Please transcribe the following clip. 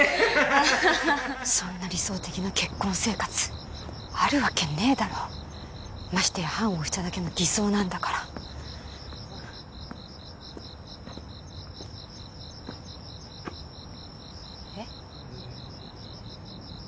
ハハハハそんな理想的な結婚生活あるわけねーだろましてや判を捺しただけの偽装なんだからえっ！？